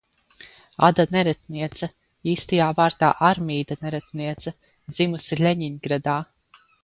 Ada Neretniece, īstajā vārdā Armīda Neretniece, dzimusi Ļeņingradā.